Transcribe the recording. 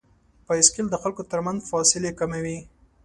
بایسکل د خلکو تر منځ فاصلې کموي.